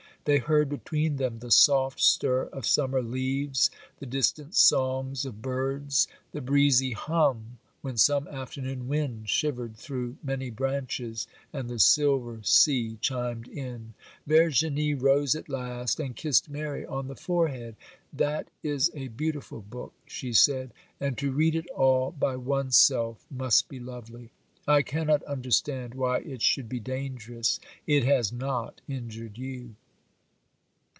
They heard between them the soft stir of summer leaves, the distant songs of birds, the breezy hum when some afternoon wind shivered through many branches, and the silver sea chimed in; Verginie rose at last, and kissed Mary on the forehead. 'That is a beautiful book,' she said, 'and to read it all by one's self must be lovely; I cannot understand why it should be dangerous; it has not injured you.